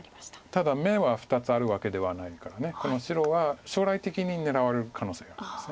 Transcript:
ただ眼は２つあるわけではないから白は将来的に狙われる可能性があります。